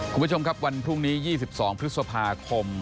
คุณผู้ชมครับวันพรุ่งนี้๒๒พฤษภาคม